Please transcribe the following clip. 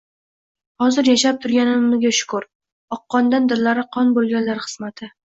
Hozir yashab turganimga shukr... – oqqondan dillari qon bo‘lganlar qismati